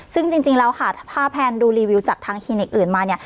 ซึ่งจริงแล้วค่ะถ้าแพนดูรีวิวจากทางคลินิกอื่นมาเนี่ย